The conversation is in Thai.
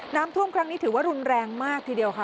น้ำท่วมครั้งนี้ถือว่ารุนแรงมากทีเดียวค่ะ